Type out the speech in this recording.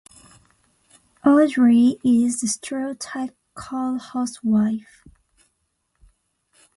Audrey is the stereotypical housewife.